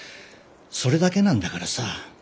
それだけなんだからさ。